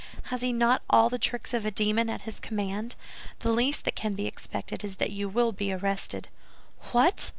Has he not all the tricks of a demon at his command? The least that can be expected is that you will be arrested." "What!